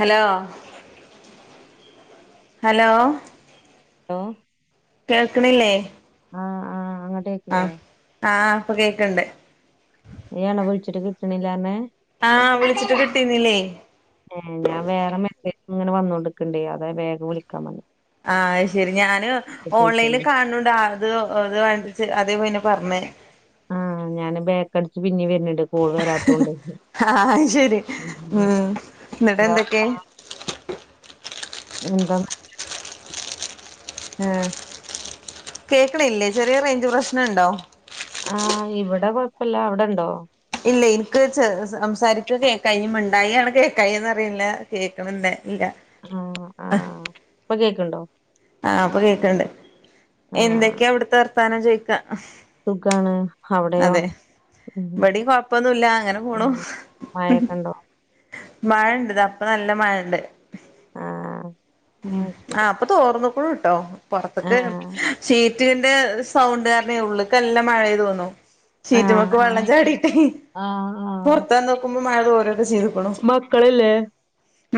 Hello hello hello കേൾക്കിണില്ലേ? ആഹ് ആഹ് ആ ആഹ് ആഹ് ഇപ്പൊ കേൾക്ക് ണ്ട്. നീയാണോ വിളിച്ചിട്ട് കിട്ടണില്ലാന്ന്പർഞ്ഞേ? ആഹ് വിളിച്ചിട്ട് കിട്ടീന്നിലേ. ഏ ഞാൻ വേറെ മെസേജ്ങ്ങനെ വന്നോണ്ടിക്കണ്ടേ അതാ വേഗം വിളിക്കാ വന്ന് ആഹ് അയ് ശെരി ഞാന് ഓൺലൈനില് കാണുണൂണ്ട്. ആൾ അത് അത് വേണ്ട്ച്ച് അതേ പിന്നെ പറഞ്ഞേ. ഞാൻ ബേക്കടിച്ച് പിന്നേം വെര്ന്ണ്ട് കോൾ വരാത്തോണ്ട് ആഹ് അത് ശരി പിന്നെ ഉം എന്നിട്ട് എന്താ എന്തൊക്കെ വർത്താനം? എന്താന്ന്? അഹ് കേക്ക്ണില്ലേ ചെറിയ റേഞ്ച് പ്രശ്നംണ്ടോ? ആഹ് ഇവിടെ കൊഴപ്പല്ലാ അവിടെണ്ടോ? ഇല്ല ഇന്ക്ക് ച് സംസാരിക്ക് കേക്കായിനി മിണ്ടായിയാണ് കേക്കായിന്നറീല്ല. കേക്കണ് ണ്ടല്ല. ആഹ് ആഹ് ഇപ്പൊ കേക്ക്‌ണ് ണ്ടോ? ആഹ് അപ്പൊ കേക്കണ്ട് ആഹ് എന്തെക്കെയാ അവിടത്തെവർത്താനൊ ചോയിക്കാ സുഖാണ് അവിടെയോ ഉം ഇബടീ കൊഴപ്പൊന്നുല്ല അങ്ങന പോണൂ മഴക്കെണ്ടോ മഴ ഇണ്ട് ഇത ഇപ്പ നല്ല മഴണ്ട് ആഹ ആ് ഇപ്പൊ തോർന്നുക്കുണൂ ട്ടോ പൊറത്തക്ക് ആഹ് ഷീറ്റിന്റെ സൗണ്ട് കാരണെ ഉള്ള്ക്ക് നല്ല മഴയായിതോന്നു ആഹ് ഷീറ്റ്മക്ക് വെള്ളം ആഹ് ചാടിട്ട ആഹ് ആഹ് പൊറത്തന്ന് നോക്കുമ്പോ മഴ തോരോക്കെ ചെയ്തുക്കീണു മക്കളില്ലേ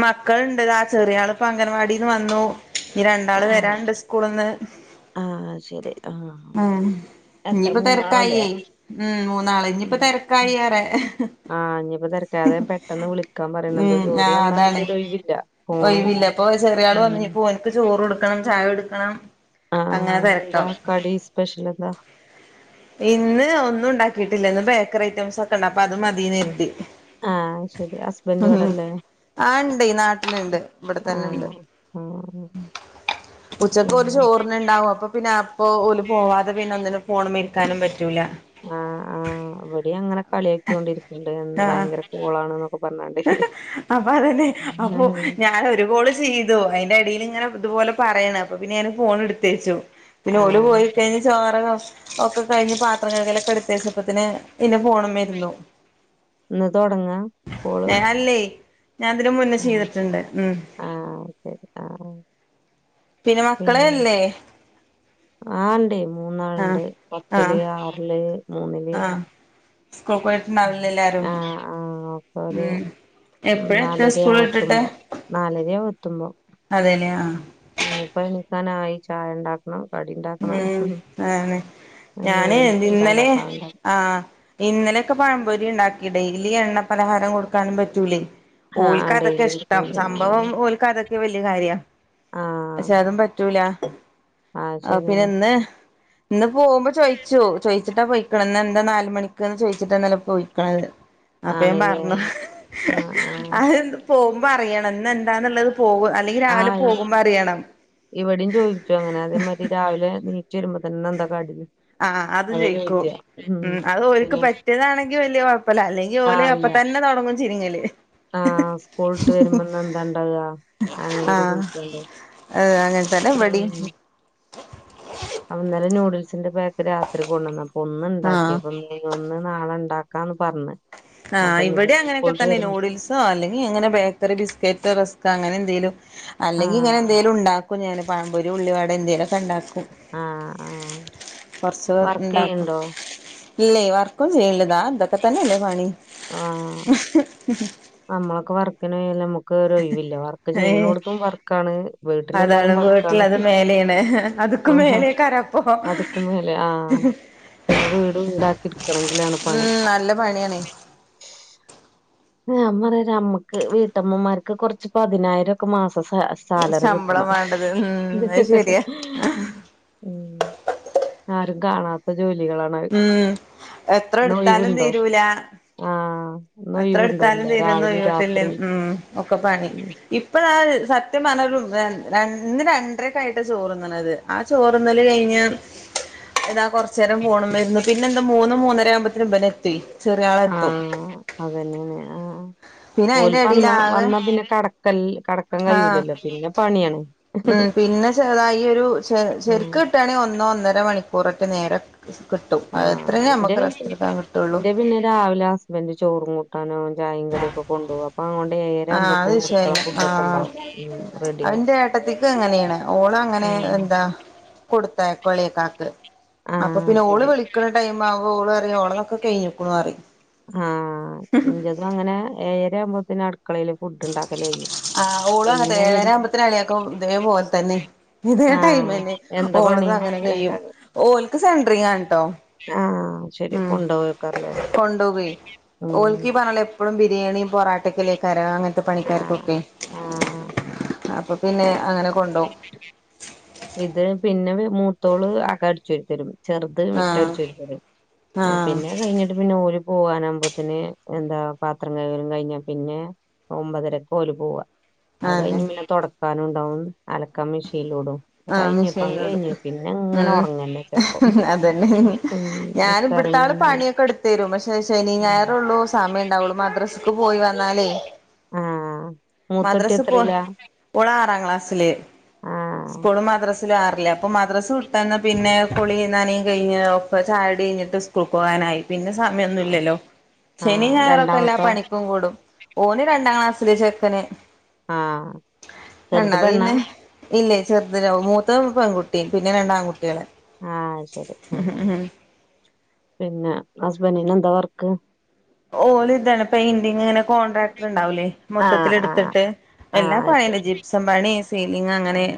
മക്കൾണ്ട് ദാആ ചെറിയാളിപ്പോ അംഗൻവാടിന്ന് വന്നു ഇനി രണ്ടാള് വരാന്ണ്ട് സ്കൂള്ന്ന് ആ ശരി ആ ഉം ഇഞ്ഞിപ്പോ തെരക്കായി ഉം മൂന്നാള് ഇനിപ്പോ ഉം തിരക്കായി ഏറെ ആഹ് ഇഞ്ഞിപ്പോ തെരക്കായി അതാ ഞാൻ പെട്ടെന്ന് വിളിക്കാൻ പറയണത് ജോലി [unintelligible] തന്നാ പിന്ന ഒഴയില്ല ഒയിവില്ലപ്പൊ ചെറിയാൾ വന്ന് നിപോ ഓൻക്ക് ചോറ്കൊടുക്കണം ചായ കൊടുക്കണം ആഹ് അങ്ങന ഇന്നെന്താ തെരക്കാഉം കടി സ്പെഷ്യൽ എന്താ ഇന്ന് ഒന്നും ഉണ്ടാക്കിട്ടില്ല ഇന്ന് ബേക്കറി ഐറ്റംസ് ഒക്കെ ണ്ട് അപ്പൊ അത് മതീന്ന് കരിതി ആഹ് ശരി ഹസ്ബൻഡ് ഉം ഇവിടല്ലേ ആ ഇണ്ട് നാട്ട [unintelligible] ണ്ട് ഇബ്ടതന്നെണ്ട് ആഹ് ആഹ് ഉച്ചക്കോര് പിന്നെ ചോറിനിണ്ടാവോ അപ്പ പിന്നെ അപ്പൊ ഓല് പോവാതെ പിന്നെ ഒന്നിനും ഫോണിമ്മരിക്കാനും പറ്റൂല ആഹ് ആഹ് ഇവിടെ അങ്ങന കളിയാക്കിക്കൊണ്ടിരിക്കുന്നുണ്ട് ആഹ് ഭയങ്കര കൂളാണ് എന്നൊക്കെ പറഞ്ഞണ്ട് അപ്പ അതന്നെ അപ്പൊ ഞ ഒരുകോള് ചെയ്തു അയിന്റടിയില് ഇങ്ങനെ ഇതുപോലെ പറയണ് അപ്പൊ പിന്നെ ഞാന് ഫോൺ എടുത്തേച്ചു പിന്നെ ഓല് ആഹ് പോയി കഴിഞ്ഞ [unintelligible] ഒക്കെ കഴിഞ്ഞ് പാത്രം കഴകലൊക്കെ എടുത്തച്ചപ്പൊത്തന്നെ പിന്നെ ഫോണിമ്മൽ ഇരുന്നു ഇന്ന് തൊടങ്ങാ കോള് അല്ലേയ് ഞാൻ ഇതിന് മുന്നേ ചെയ്തിട്ടുണ്ട് ഉം ആ ശരി ആ [inaudible] പിന്ന മക്കളെല്ലേ ആ ണ്ട് മൂന്നാളിണ്ട് ഏട്ടില് ആറില് മൂന്നില് ആഹ് സ്കൂൾ പോയിട്ടുണ്ടാവില്ലേ എല്ലാരും ഓര് ഉം എപ്പഴാ എത്താ സ്കൂൾ നാലരയാഉ വിട്ടിട്ട് എത്തുമ്പോ നാലരയാഉ എത്തുമ്പോ അതേ ലേ ആഹ് ഇനിപ്പോ എണീക്കാനായി ചായ ഉണ്ടാക്ക ഉം കടി ണ്ടാക്കണം ഉം അതാണ് പിന്ന നൂഡിൽസ് [unintelligible] [inaudible] ആ ഇന്നലെക്കെ പഴംപൊരി ണ്ടാക്കി ഡെയിലി എണ്ണ പലഹാരം കൊടുക്കാനും പറ്റൂലൈ ആ ഓൽക്ക് അതൊക്കെ ഡെയിലി ഇഷ്ടം കൊടുക്കണ സംഭവം ഓൽക്കതൊ വല്യ കാര്യ ആ ആ പക്ഷെ അതും പറ്റൂല ആ പിന്നെ ഇന്ന് ഇന്ന് പോവുമ്പോ ചോയിച്ചൂ ചോയി ച്ചിട്ടാ പോയിക്കണെ ഇന്നെന്ത നാല്മണിക്ക്ന്ന് ചോയിച്ചിട്ടാണല പോയിക്കണത് അപ്പ ഞൻ ആണല്ലേ പറഞ്ഞു ആ ആ അത എന്ത് [unintelligible] പോകുമ്പോ അറിയണം ഇന്ന് എന്താന്ന്ള്ളത് പോക അല്ലെങ്കിൽ രാവില പോകുമ്പോ അറിയണം ഇവിടെ ചോയിച്ചു അങ്ങനെ അതെ മായിരി രാവിലെ ണീച്ചു വരുമ്പോ തന്നെ ന്താ കടീന്ന് ആഹ് അതും ചൊയിക്കൂ ഉം അത് ഓരിക്ക് പിന്നെ പറ്റിയതാണെങ്കി വല്യ കൊഴപ്പില്ല അല്ലെങ്കി ഓലി അപ്പതന്നെ തൊടങ്ങും ചിണിങ്ങലി ആ ഉസ്കൂളിട്ട് വരുമ്പോന്ന ന്താണ്ടാവാ അങ്ങനെക്കെ ആഹ് [unintelligible] [inaudible] ഏഹ് അങ്ങനെത്തെന്നെ ഇബിടീം അന്നേരം നൂഡിൽസിന്റെ പാക്ക് രാത്രി കൊണ്ടുവന്ന അപ്പൊ ആഹ് ഒന്നുണ്ടാക്കിയപ്പൊ തിലൊന്ന് നാളെണ്ടാക്കാന്ന് പറഞ്ഞ് അപ്പൊ ആഹ് ഇനിപ്പോ ഇവിടിയം അങ്ങനെ--ക്കെ സ്കൂളിട്ട് തന്നെ വരുമ്പോ നൂഡിൽസ് ആ അലെങ്കിങ്ങനെ ബേക്കറി ബിസ്ക്കറ്റ് റസ്ക് അങ്ങനെന്തേലും അല്ലെങ്കി ആഹ് ഇങ്ങനെന്തേലും ണ്ടാക്കും ഞ പഴമ്പൊരി ഉള്ളിവടന്തേലൊക്കെണ്ടാക്കും. ആഹ് ആഹ് കൊറച്ചുകൊറ് വർക്ക് ണ്ടാക്കും. ചെയ്യണ്ടോ ഇല്ലേ വർക്കൊന്നുംചെയില്യ ദാ തക്കെ തന്നെയല്ലേ പണി ഹ്ഹ്. അമ്മളൊക്കെ വർക്കിന് പോയാലമ്മക്ക് ഒരൊയിവില്ല വർക്ക് ഏഹ് ചെയ്യണൊടത്തും വർ. ക്കാണ് വീട്ടിലന്നാലും അതാണ് വർക്കാണ് വീട്ടിലത് മേലെയാണ് അത്ക്കും ആഹ. മേലേക്കാരം അപ്പൊ അത്ക്ക്മേലെ ആ. പിന്നെ വീട് വീടാക്കിട്ക്കണെങ്കിലാണ് പണി. ഉം നല്ല പണിയാണേ ഞാൻ പറയാരമ്മക്ക് വീട്ടമ്മമാര്ക്ക് കൊറച്ച് പതിനായിരൊക്കെ മാസം സാ സാലറി ശമ്പളം കിട്ടണം വേണ്ടത് ഉം അത് ശരിയാ ഹ്ഹ്ഹ് ഉം ആരും കാണാത്ത ജോലികളാണ്. ഉം എത്ര എടുത്താലും ഇന്നൊയിവുണ്ടോ ആഹ്. ഇന്ന് അത്ര ഒഴിവുണ്ടോ എടുത്താലും ഇല്ല രാവിലെ തീരന്നൊയിവ്ട്ടില്ലേ രാത്രി ഉം ഒക്കെ പണി. ഇപ്പഴാ സത്യപറഞ്ഞ ര് ര ര ഇന്ന് രണ്ടരക്കായിട്ട ചോറന്ന്ണത്. ആ ചോറ്ന്നല് കയിഞാ താ കൊറച്ചെരം ഫോണ് മെര്ന്നു പിന്നെന്താ മൂന്ന് മൂന്നര ആവുമ്പത്തിന് ഇബാനത്തി ചെറ്യായാളെത്തും. ആഹ് അതന്നെയാണ് ആഹ് ആഹ് പിന്നെ അയിന്റെ ഓലിപ്പന്ന എടേല് ആകെ വന്നാ പിന്നെ കടക്കൽ കടകൽ. ആഹ് മ് പിന്നെ ചെതായി ഒരു ശെ ഉം ശെര്ക്. ട്ടാണങ്കിൽ ഒന്നോ ഒന്നര മണിക്കൂറൊക്കെ നേരം കിട്ടു ആഹ് അതത്രനെ അമ്മക്ക് എന്റെ റസ്റ്റെട്ക്കാൻ കിട്ടുള്ളൂ. എന്റെ പിന്നെ രാവിലാ. ബന്റെ ചോറും. കനോം ചായേം കടിയൊക്കെ കൊണ്ടോവും അപ്പൊ അങ്ങൊണ്ട് ഏയര ആഹ് ആമ്പോത്തേന് അടക്കള ഫുഡോക്കെണ്ടാവും. അ ന്റേട്ടത്തിക്കും അങ്ങനെയാണ് ഓളങ്ങനെ എന്താ. കൊടുത്താ കൊളിയക്കാക്ക്. ആഹ് അപ്പപിന്നെ ഓള് ശരി വിളിക്കണ ടൈമാവുമ്പോ ഓളറിയും ഓളതൊക്കെ കയ്ഞ്ഞെക്കുണുറയും. ആഹ് ഇന്റതും അങ്ങനെ ഏയര ആവുമ്പോത്തിന് അടുക്കളേല് ഫുഡ്ണ്ടാക്കല് കയും. ആഹ് ഓളും അങ്ങൻതനെ ഏഴര ആവുമ്പത്തിനെളേയാക്കും ഇതേ പോലെതന്നെ. ഇതേ ആഹ് ടൈമന്നെ എന്താ പണി ഓളത് അങ്ങനെ കയും എളേക്കാക്ക് ഓല്ക്ക് സെൻഡ്രിങ്ങാണ് ട്ടൊ. ആഹ് ശെരി കൊണ്ടെവാക്കാല്ലേ ആഹ്. ഇപ്പഴും ബിരിയാണിം പൊറാട്ടെക്കെലെ തരാ അങ്ങൻത്തെ ആഹ് പണിക്കാർക്കൊക്കെ. ആഹ് അപ്പപിന്നെ അങ്ങനെ കൊണ്ടോവം. ഇത് പിന്നെ മൂത്തോള് അക അടിച്ചാരിത്തരും ചെറുത് മിറ്റം ആഹ് അടിച്ചാരിത്തരും. ആഹ് പിന്നെ കയിഞ്ഞിട്ട് പിന്നെ ഓര് പോവാനാമ്പത്തിന് എന്താ പാത്രം കൈകലും കയിഞ്ഞാ പിന്നെ. ഒമ്പതരക്കോല് പോവാ അത് അതെ കയിഞ് പിന്നെ തൊടക്കാനുണ്ടാവും അലക്കാൻ മെഷീലോടും. ആഹ് കയിഞ് പണി മിഷീനിലിടും കയിഞ്ഞ് ഉം പിന്നങ്ങനൊറങ്ങനെ ചെലപ്പം അതന്നെ ഉം. വിസ്താരിങ്ങനെ. തരു പക്ഷെ ശനി ഞായറൊള്ളൂ സമയണ്ടാവൊള്ളൂ മദ്രസക്ക് പോയി വന്നാലേ. ഉം മൂത്തൊട്ടി എത്രല്ലാ. ഓളാറാംക്ലാസ്സില്. ആഹ് ആഹ് സ്കൂള് മദ്രാസൽ ആറില് അപ്പൊ മദ്രസ് വിട്ടന്ന് പിന്നെ കുളി നനയും കയിഞ്ഞ ചായോടിയിഞ്ഞിട്ട് സ് ക്കുൾക്ക് പോകാനായി പിന്നെ സമയമൊന്നുല്ലല്ലോ ശനി ആഹ് ഞായറൊക്കെ എല്ലാ രണ്ടാമത്തോ പണിക്കും കൂടും. ഓന് രണ്ടാം ക്ലാസ്സില് ചെക്കന് ആഹ് ചെറുത് രണ്ടാത് പെണ്ണാ പിന്നെ ഇല്ലേ. ചെറുതിന് മൂത്ത പെൺകുട്ടി പിന്നെ രണ്ടാൺകുട്ട്യേള്. ആഹ് അത് ശരി ആ പിന്നെ ഹസ്ബന്റിന് എന്താ വർക്ക്. ഓല് ഇതാണ് പെയിന്റിങ്ങാണ്. കോൺട്രാക്ടർ ഇണ്ടാവൂലേ ആഹ് മൊത്തത്തില് ആഹ് എടുത്തിട്ട് എല്ലാ ആഹ് പണിയണ്ട് ശരി ജിപ്സം പണി. സീലിങ് അങ്ങനെ ആഹ്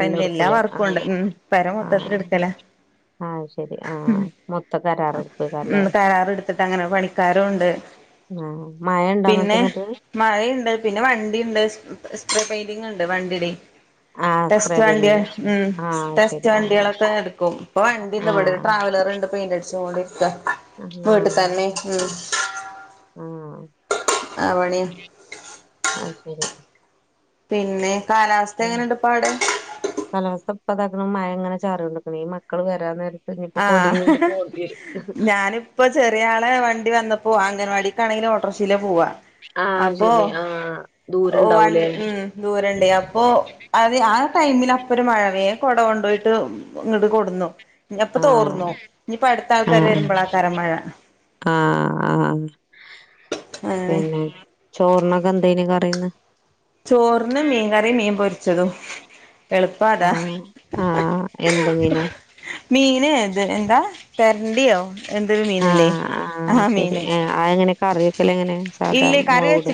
എല്ലാം എല്ലാ എടുക്കൂലേ വർക്കും ആഹ് ഉണ്ട് ഉം പെര മൊത്തത്തിൽ ആഹ് എടുക്കല. ആഹ് ശരി ആഹ് മൊത്ത കരാറെടുപ്പേക്കാരല്ലേ മ് കരാർ എടുത്തിട്ട് അങ്ങനെ പണിക്ക ക്കാരുണ്ട് ആഹ് മഴ ഉണ്ടോ അങ്ങട്ട് പിന്നെ. എന്നിട്ട് മഴയുണ്ട് പിന്നെ വണ്ടിണ്ട് സ്പ്രേ പെയിന്റങ് ഉണ്ട് വണ്ടിടെ ആഹ് സ്പ്രേ ടെസ്റ്റ് വണ്ടി പെയിന്റിങ് ഉം ആഹ് ടെസ്റ്റ് ശരി ആഹ് വണ്ടികളൊക്കെ എടുക്കും ഇപ്പൊ വണ്ടിണ്ട് ഇവിടെ ആഹ് ട്രാവലർണ്ട്. പെയിന്റടിച്ങ്ങോണ്ടിരിക്ക അഹാ തന്നെ മ്മ് ആഹ് അത് ശരി പിന്നെ കാലാവസ്ഥ ഉം എങ്ങനെണ്ട്പ്പവടെ? കാലാവസ്ഥ ഇപ്പതാക്കണ്‌ മഴ ഇങ്ങനെ ചാറിയോണ്ടുക്ക്‌ണു ഈ മക്കൾ വരാൻ നേ ഞ്ഞിപ്പോ കോടേം കൊണ്ട് പോണ്ടി വരും ഇപ്പൊ ചെറിയ ആളെ വണ്ടി വന്നപ്പോ അംഗൻവാടീക്കാണെങ്കിലും ഓട്ടോറിഷീല പോവാ. ആഹ് അപ്പൊ ശരി ആഹ് വണ്ടി ദൂരണ്ടാവൂലേ ഉം ദൂരണ്ടേയ് അപ്പോ അപ്പൊ അത് ആ ടൈമിൽ അപ്പരു മഴപെയ്യും കുട കൊണ്ടു പോയിട്ട് ഇങ്ങട്ട് കൊടുന്നു ഇനി അപ്പൊ തോർന്നു ആഹ് ഇനിയിപ്പ അടുത്ത ആൾക്കാര് ആഹ് വരുമ്പോളക്കാരം മഴ. ആഹ് ആഹ് അങ്ങനെ പിന്നെ ചോർനോക്കെന്തേയ്ന് കറിന്ന്? ചോറിന് മീൻ കറി മീൻ പൊരിച്ചതും എളുപ്പതാ ആഹ് ആഹ് എന്ത് മീന മീന് ത് എന്താ തെരണ്ടിയോ എന്തൊരു മീനില്ലേ ആ മീന്. ആ എങ്ങനെ കറിവെക്കലങ്ങനെ സാദാ മുളകിടോ?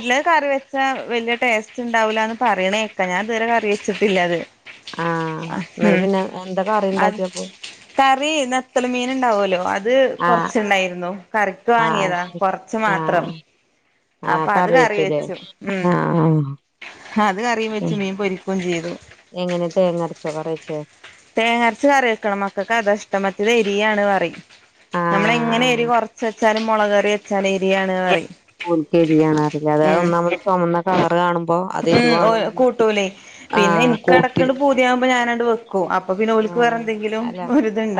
ച്ച വല്യ ടേസ്റ്റ് ഉണ്ടാവില്ല എന്ന് പറയണേക്കാ ഞാൻ ഇതുവരെ കറി വെച്ചിട്ടില്ല അത്. ആഹ് എന്നാല ഉം പിന്നെ എന്താ അത് കറിണ്ടാക്കിയപ്പോ? കറി നത്തൽ മീൻ ഉണ്ടാവോല്ലോ അത് അത് ആഹ് കൊറച്ചുണ്ടായിരുന്നു കറിക്ക് ആഹ് വാങ്ങിയതാ ശരി കൊറച്ച് മാത്രം. ആഹ് അപ്പ ആഹ് അത് കറി വെച്ചുല്ലേ വെച്ചു ഉം ആഹ് അത് കറിയും വെച്ച് ഉം മീൻ പൊരിക്കും ചെയ്തു. എങ്ങനെ തേങ്ങ അരച്ചോ കറി വെച്ചേ തേങ്ങരച്ച് കറി വെക്കണം മക്കൾക്ക് അതഷ്ടം മറ്റേതെരിയാണ് പറയും. നമ്മള എങ്ങനെ ആഹ് എരി കൊറച്ച വെച്ചാലും മുളകറി വെച്ചാലും എരിയാണ് പറയിം ഓല്കരിയാണറിയുംലെ അത് ഒന്നാമത് ചൊമന്ന കളർ കാണുമ്പോ ഉം അതരിവാണ കൂട്ടൂലേ പിന്നെ ആഹ് എനിക്ക് കൂട്ടി ഇടക്കണ്ട് പൂതിയാകുമ്പോ ഞാനണ്ട് വെക്കും അപ്പൊ ഓൽക്ക് വേറെ പിന്നെ എന്തെങ്കിലും അല്ല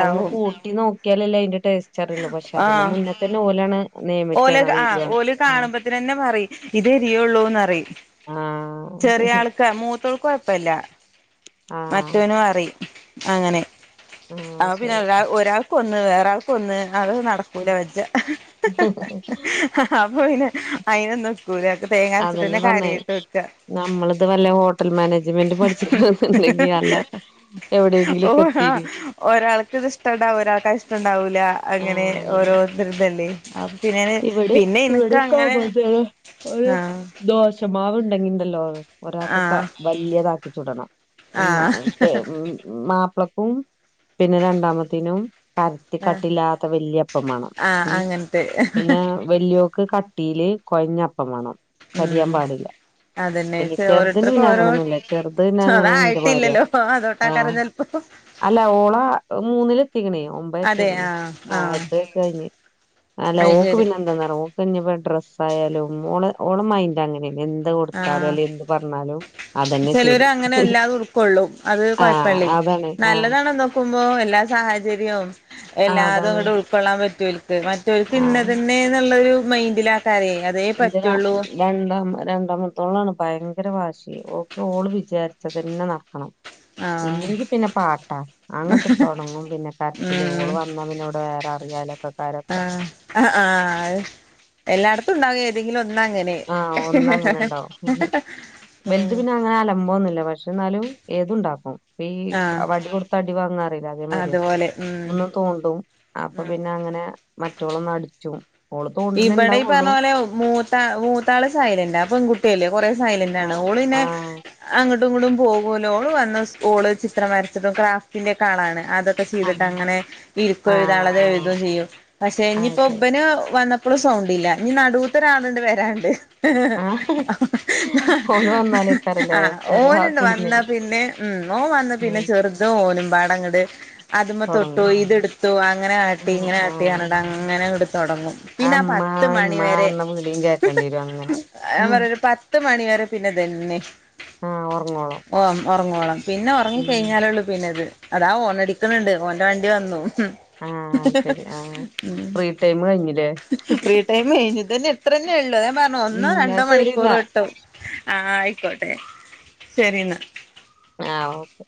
അതൊന്ന് കൂട്ടി നോക്കിയാലല്ലേ അതിന്റെ ടേസ്റ്റ് റിയുള്ളൂ പക്ഷെ അതെ ആഹ് മുന്നേ തന്നെ ഓലാണ് നിയമിച്ചാണ് അത് എരിയാണ് ആ ന്നെ പറയും ഇതിരിയൊള്ളുന്നറിയും ആഹ് ആഹ് ചെറിയ ആൾക്കാ മൂത്തോൾക്ക് കൊഴപ്പല്ല ആഹ് മറ്റവനും അറി അങ്ങനെ. ആഹ് അപ്പ പിന്നെ ശരി ഒരാ ഒരാൾക്കൊന്ന് വേറെരാൾക്കൊന്ന് അത് നട പൂല വജ്ജ അപ്പൊ പിന്നെ അയിനൊന്നും [unintelligible] തേങ്ങ അതന്നെ അരച്ചട്ടന്നെ പറഞ്ഞേ കാര്യയിട്ട് വെക്കാ നമ്മളിത് വല്ല ഹോട്ടൽ മാനേജ്മെന്റ് പഠിച്ചിക്കാന്നണ്ടെങ്കിൽ നല്ല എവിടെയെങ്കിലും ഒക്കെ എത്തിനു ഒരാൾക്ക്ത് ഇഷ്ടണ്ടാവും ഒരാൾക്കത് ഇഷ്ടണ്ടാവൂല്ല ആഹ് അങ്ങനെ അതന്നെ ഓരോർത്തതല്ലേ അപ്പൊ പിന്നെ പിന്നെ ഇനക്ക്‌ അങ്ങനെ ഏ ഒരു ആ ദോശമാവ്ണ്ടെങ്കിണ്ടല്ലോ ആ ഒരാൾക്ക് ക വലൃതാക്കിച്ചുടണം ആ മാപ്പ്ളക്കും പിന്നെ രണ്ടാമത്തീനും പരത്തി ക ആ ട്ടില്ലാത്ത വല്യപ്പം മാണം ആഹ് ഉം അങ്ങനത്തെ പിന്നേ വല്യോക്ക് കട്ടീല് കൊഴഞ്ഞപ്പം മാണം ഉം കരിയാൻ പാടില്ല അതന്നെ ല്ലൃ ചെറുദിന് ഓരോരുത്തർക്കും പിന്നെ ഓരോ അങ്ങനൊന്നുല്ല ചെറുത്പിന്നെ അങ്ങനെ ന്റെ മാരിയാ അതായിട്ടില്ലല്ലോ ആ അതോട്ടാക്കാരം ചെലപ്പോ അല്ല ഓള മൂന്നിലെത്തിക്ക്ണേ അതെ ഒമ്പയസ്സായിക്ക്ണ് ആഹ് ആ ആഹ് എട്ട് വയസ്സ് കഴിഞ്ഞ് അല്ല അത് ഓക്ക് ശരി പിന്നെ എന്താ കഴിപ്പോ ഡ്രസ്സ് ആയാലുംഓള് ഓള് മൈൻഡ് അങ്ങനെയ എന്ത് കൊടുത്താലും അല്ല എ പറഞ്ഞാലും. അതന്നെ ശരി ചിലോര് അങ്ങനെ അല്ലാതും ഉടുക്കള്ളൂ അത് ആഹ് കുഴപ്പലൊ അതാണ് ആഹ് നല്ലതാണ എന്തോ ക്കുമ്പോ എല്ലാ സാഹചര്യവും ആഹ് എല്ലാതും അതാണ് അങ്ങടെ ഉൾക്കൊള്ളാൻ പറ്റൂൽക്ക് മറ്റ പിന്ന ആഹ് തന്നെ എന്നുള്ളരു മൈൻഡില ആക്കരെ അത എന്റെ രണ്ടാമ രണ്ടാമത്തോളണ് ഭയങ്കര വാശി ഓൾക്ക് ഓള് വിചാരിച്ചത് നെ നടക്കണം. ആഹ് ഇല്ലെങ്കി പിന്നെ പാട്ടാ അങ്ങോട്ട് തൊട പിന്നെ കരച്ചില് ഉം ഒള് വന്നാ പിന്നെ ഇവിടെ വേറെ അറിയാലോ ആഹ ആ എല്ലായിടത്തും ഉണ്ടാവുക ഏതെങ്കിലും ഒന്ന അങ്ങനെ ആഹ ഒന്ന് അങ്ങനെ ഉണ്ടാവും വലുത് ഉം പിന്നെ അങ്ങനെ അലമ്പോന്നില്ല പക്ഷെ നലും ഏതുണ്ടാക്കും ഈ ആഹ് വടികൊടുത്ത് അടി വാങ്ങാ അല്ല അതേ മതി അതുപോലെ ഉം ഒന്നും തോണ്ടും അപ്പൊ പിന്നെ അങ്ങനെ മറ്റോള് ന് അടിചും. ഓള് തോണ്ടണ് ഇണ്ടാവു കൊള്ളൂ. മൂത്താ മൂത്താള് സൈലന്റ് ആ പെൺകുട്ടിയല്ലേ കൊറെ സൈലന്റ് ആണ് ആഹ് ഓള് പിന്നെ. ആഹ് അങ്ങോട്ടും ഇങ്ങോട്ടും പോകുമലോ വന്ന സ്കുള് ഓള് ചിത്രംരച്ചതും ക്രാഫ്റ്റിന്റെ ഒക്കാ ആളാണ് അതൊക്കെ ചെയ്തിട്ട് അങ്ങനെ ഇരിക്കും ആഹ് എഴുത അളത് ആഹ് എഴുതും ചെയ്യും. പക്ഷെ ആഹ് അത് ഇനിപ്പോ ശരി ഒബന് വന്ന അപ്പളും സൗണ്ട്ല്ല ഇ നടുത്ത ഒരള്ണ്ട് വരണ്ട് ആഹ് ഓല് വന്നാലേക്കാരല്ലേ ആഹ് പെര ഓന്ന് ഇന്ന് വന്ന കുലുങ്ങല് പിന്നെ ഉം ഓ വന്ന പിന്നെ ഉം ചെറു ഇത് ഓനുംമ്പാട അങ്ങട് അതുമ്മ തൊട്ടു തൊടങ്ങും ഇതെടുത്തു അങ്ങനെ ആട്ടി ആഹ് ഇങ്ങനെ ആട്ടി ആഹ് അനടാ അങ്ങനെ അങ്ങട് തുടങ്ങും ആ പിന്നെ ഇമ്മാ പത്ത് ഇമ്മാ മണിവരെ എന്ന വിളിയും കേക്കേണ്ടി വരും അങ്ങനെ ഉം അവറരു പത്ത് പത്ത് മണി വരെ പിന്നെ ഇതന്ന ആഹ് ഒറങ്ങോളം ഓ ഉറങ്ങോളണം പിന്നെ ഉം ഉറങ്ങിക്കഴിഞ്ഞാലള്ളൂ പിന്നെത് അതാ ഓണ അടിക്കുന്നുണ്ട് ഓന്റെ വണ്ടി വന്നു ആഹ് ശരി ആഹ് ഉം ഫ്രീ ടൈം കഴിഞ്ഞില്ലേ ഫ്രീ ടൈം കഴിഞ്ഞ് ഇത് തന്നെ എത്രന്നേ ഉള്ളു ഞാൻ പറഞ്ഞോ ഉം ഒന്നോ ന്നാ രണ്ടോ ശരി മണിക്കൂർ ന്നാ കിട്ടും ആഹ ആയിക്കോട്ടെ ശരി എന്നാ ആഹ ഓക്കെ